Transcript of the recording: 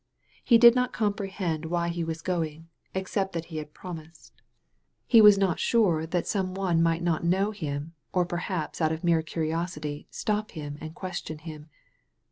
He did not comprehend why he was going, except that he had promised. He was not 119 THE VALLEY OF VISION sure that some one mig^t not know himt or peibaps out of mere curiouty stop him and question him.